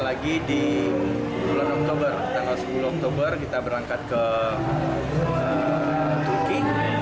lagi di bulan oktober tanggal sepuluh oktober kita berangkat ke turki